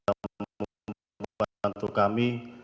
kami akan mencari penyelenggaraan untuk kami